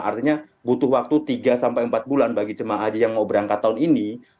artinya butuh waktu tiga sampai empat bulan bagi jemaah haji yang mau berangkat tahun ini